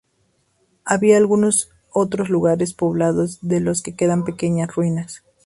Había algunos otros lugares poblados, de los que quedan pequeñas ruinas.